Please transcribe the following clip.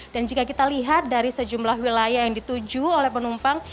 dan jika kita lihat dari sejumlah wilayah yang dituju oleh penumpang